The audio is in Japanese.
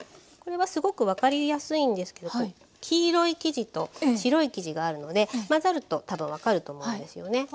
これはすごく分かりやすいんですけど黄色い生地と白い生地があるので混ざると多分分かると思うんですよね。